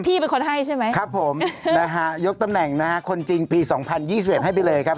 พี่เป็นคนให้ใช่ไหมครับผมนะฮะยกตำแหน่งนะฮะคนจริงปี๒๐๒๑ให้ไปเลยครับ